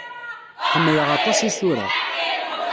Ḥemmleɣ aṭas isura.